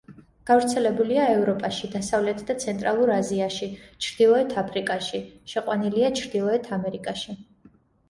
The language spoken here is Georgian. გავრცელებულია ევროპაში, დასავლეთ და ცენტრალურ აზიაში, ჩრდილოეთ აფრიკაში, შეყვანილია ჩრდილოეთ ამერიკაში.